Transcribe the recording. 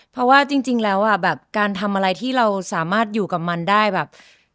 เพราะว่าจริงแล้วอ่ะแบบการทำอะไรที่เราสามารถอยู่กับมันได้แบบ